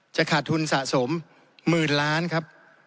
จะขาดทุนสะสมหมื่นล้านครับ